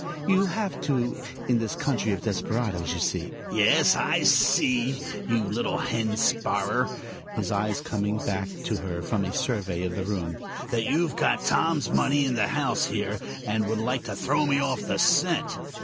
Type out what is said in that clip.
You have to, in this country of desperadoes. You see " "Yes, I see, you little hen sparrer," his eyes coming back to her from a survey of the room, "that you've got Tom's money in the house here, and would like to throw me off the scent!"